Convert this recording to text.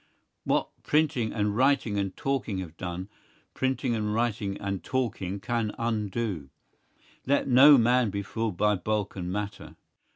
What printing and writing and talking have done, printing and writing and talking can undo. Let no man be fooled by bulk and matter.